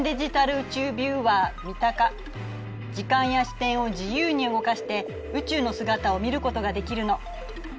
時間や視点を自由に動かして宇宙の姿を見ることができるの。